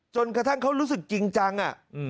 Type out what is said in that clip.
จนข้างที่เขารู้สึกจริงจัง